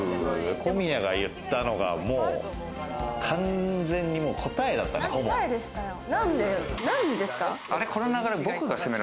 小宮が言ったのが、完全に答えだったから。